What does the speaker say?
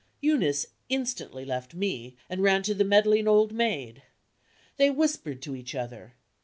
Eunice instantly left me, and ran to the meddling old maid. They whispered to each other.